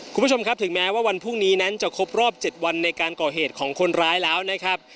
คุณผู้ชมครับถึงแม้ว่าวันพรุ่งนี้นั้นจะครบรอบ๗วันในการก่อเหตุของคนร้ายแล้วนะครับ